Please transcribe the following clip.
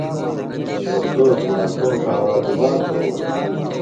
اوستوذ کُݨاکوم ݜاوا گُبا تھوؤ دےۡ؟